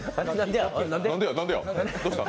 どうした。